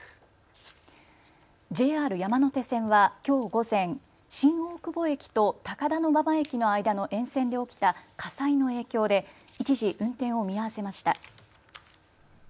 ＪＲ山手線はきょう午前、新大久保駅と高田馬場駅の間の沿線で起きた火災の影響で一時、運転を見合わせました。